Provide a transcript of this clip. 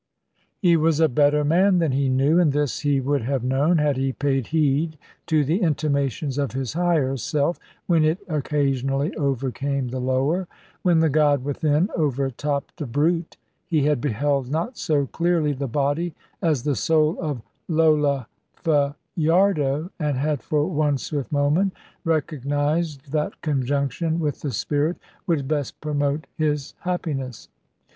He was a better man than he knew, and this he would have known, had he paid heed to the intimations of his higher self, when it occasionally overcame the lower. When the god within overtopped the brute, he had beheld not so clearly the body as the soul of Lola Fajardo, and had, for one swift moment, recognised that conjunction with the spirit would best promote his happiness.